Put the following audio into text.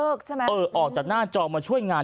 เออออกจากหน้าจอมาช่วยงาน